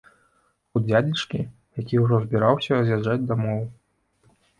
У дзядзечкі, які ўжо збіраўся з'язджаць дамоў.